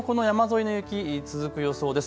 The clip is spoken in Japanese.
日中もこの山沿いの雪、続く予想です。